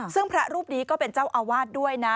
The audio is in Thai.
ซึ่งพระรูปนี้ก็เป็นเจ้าอาวาสด้วยนะ